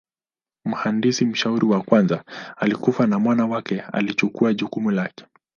Mhandisi mshauri wa kwanza alikufa na mwana wake alichukua jukumu lake.